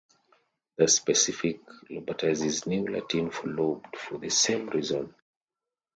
The specific "lobatus" is New Latin for lobed, for the same reason.